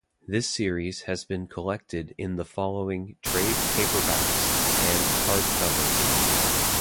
This series has been collected in the following trade paperbacks and hardcovers.